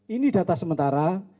ini data sementara